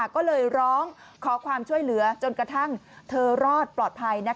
ก็เลยร้องขอความช่วยเหลือจนกระทั่งเธอรอดปลอดภัย